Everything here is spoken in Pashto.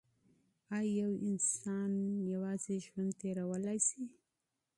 ایا یو انسان یوازي ژوند تیرولای سي؟